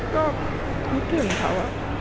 ก็รู้ถึงเขา